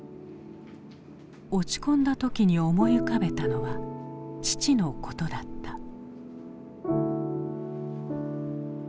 落ち込んだ時に思い浮かべたのは父のことだった。